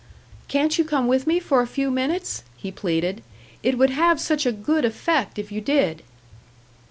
"Can't you come with me for a few minutes?" he pleaded. "It would have such a good effect if you did."